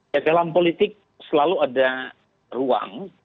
ya dalam politik selalu ada ruang